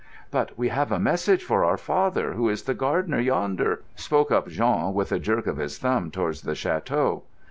"But we have a message for our father, who is the gardener yonder," spoke up Jean, with a jerk of his thumb towards the château.